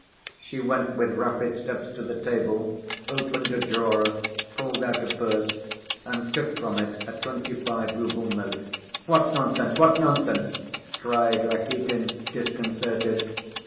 She went with rapid steps to the table, opened a drawer, pulled out a purse and took from it a twenty‐five rouble note. "What nonsense! What nonsense!" cried Rakitin, disconcerted.